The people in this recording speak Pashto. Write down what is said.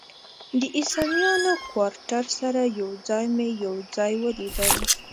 د عیسویانو کوارټر سره یو ځای مې یو ځای ولیدل.